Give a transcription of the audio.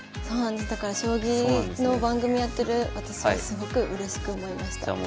そうなんですだから将棋の番組やってる私はすごくうれしく思いました。